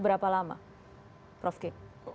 berapa lama prof ki